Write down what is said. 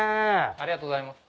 ありがとうございます。